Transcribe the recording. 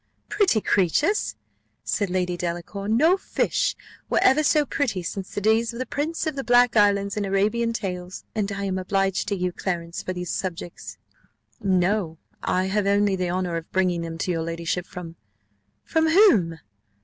"Pretty creatures," said Lady Delacour: "no fish were ever so pretty since the days of the prince of the Black Islands in the Arabian Tales. And am I obliged to you, Clarence, for these subjects?" "No; I have only had the honour of bringing them to your ladyship from " "From whom?